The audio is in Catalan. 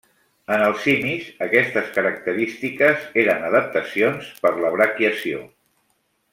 En els simis, aquestes característiques eren adaptacions per la braquiació.